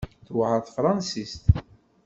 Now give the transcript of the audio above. Tewεer tefransist?